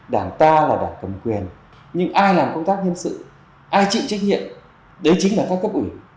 đảng ta là đảng cầm quyền nhưng ai làm công tác nhân sự ai chịu trách nhiệm đấy chính là các cấp ủy